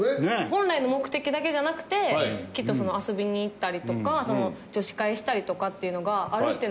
本来の目的だけじゃなくてきっと遊びに行ったりとか女子会したりとかっていうのがあるっていうのは聞くので。